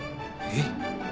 えっ？